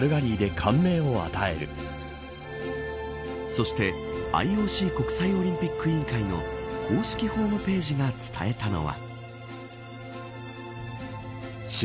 そして、ＩＯＣ国際オリンピック委員会の公式ホームページが伝えたのは。